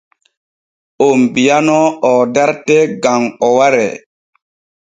Oon bi’anoo o dartee gam o waree.